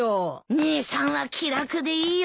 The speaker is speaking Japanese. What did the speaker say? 姉さんは気楽でいいよ。